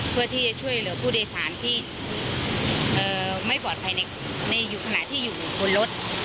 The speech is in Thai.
เพื่อที่จะช่วยเหลือผู้โดยสารที่ไม่ปลอดภัยในขณะที่อยู่บนรถ